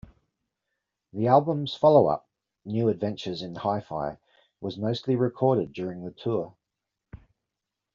The album's follow-up, "New Adventures in Hi-Fi", was mostly recorded during the tour.